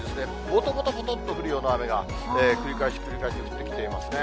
ぼとぼとぼとっと降るような雨が繰り返し繰り返し降ってきていますね。